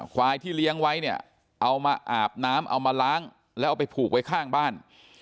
ควายที่เลี้ยงไว้เนี่ยเอามาอาบน้ำเอามาล้างแล้วเอาไปผูกไว้ข้างบ้าน